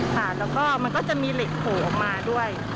ค่ะแล้วก็มันก็จะมีเหล็กโผล่ออกมาด้วย